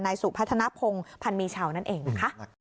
สุพัฒนภงพันมีชาวนั่นเองนะคะ